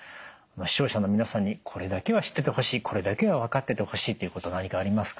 視聴者の皆さんにこれだけは知っててほしいこれだけは分かっててほしいっていうこと何かありますか？